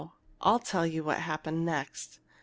I'll tell you what happened next."